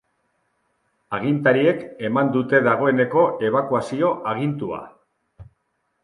Agintariek eman dute dagoeneko ebakuazio agintua.